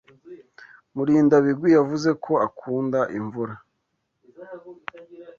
Murindabigwi yavuze ko akunda imvura.